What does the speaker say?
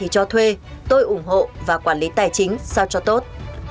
cho thuê tôi ủng hộ và quản lý tài chính sao cho tốt